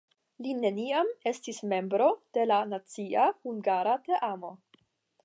Li neniam estis membro de la nacia hungara teamo.